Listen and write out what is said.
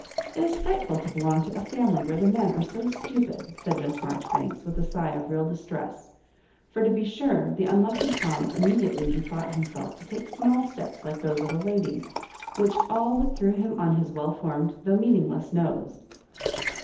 It is frightful to belong to a family where the men are so stupid," said Miss Maijoribanks, with a sigh of real distress; for, to be sure, the unlucky Tgm immediately bethought himself to take small steps like those of a lady, which all but threw him on his well formed though meaningless nose.